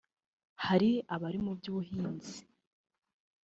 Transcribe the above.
Hari abari mu by’ubuhinzi